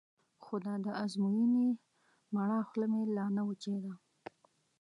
خو د ازموینې مړه خوله مې لا نه وچېده.